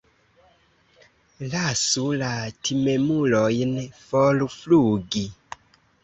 Lasu la timemulojn forflugi.